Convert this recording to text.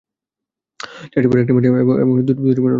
চারটি ভেড়া একটি মাঠে এবং দুটি অন্য মাঠে কতভাবে সাজানো সম্ভব?